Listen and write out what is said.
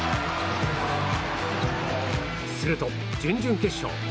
すると準々決勝。